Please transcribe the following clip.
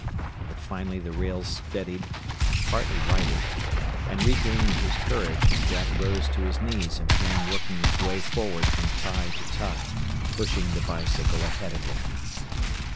But finally the rails steadied, and partly righted; and regaining his courage, Jack rose to his knees, and began working his way forward from tie to tie, pushing the bicycle ahead of him.